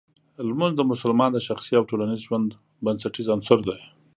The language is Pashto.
لمونځ د مسلمان د شخصي او ټولنیز ژوند بنسټیز عنصر دی.